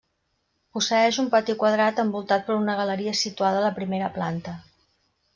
Posseeix un pati quadrat envoltat per una galeria situada a la primera planta.